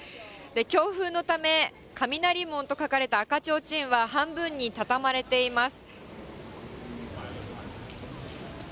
強風のため、雷門と書かれた赤ちょうちんは半分に畳まれています。